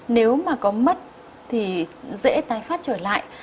nếu mà có mất thì dễ tái phát trở lại